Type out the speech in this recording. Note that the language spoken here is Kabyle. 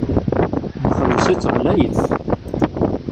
Nxelleṣ-itt ɣlayet.